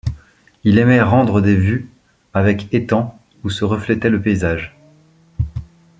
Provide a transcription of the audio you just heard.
Il aimait rendre des vues avec étangs où se reflétait le paysage.